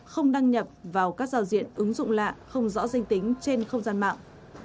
không đăng nhập vào các giao diện ứng dụng lạ không rõ danh tính trên không gian mạng